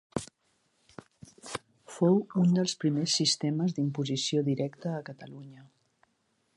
Fou un dels primers sistemes d'imposició directa a Catalunya.